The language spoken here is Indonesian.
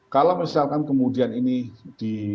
kalau misalkan kemudian ini di